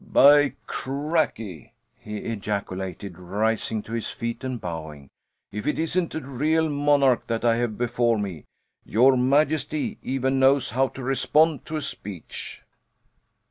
"By cracky!" he ejaculated, rising to his feet and bowing. "If it isn't a real monarch that I have before me! Your Majesty even knows how to respond to a speech."